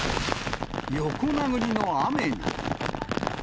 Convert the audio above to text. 横殴りの雨に。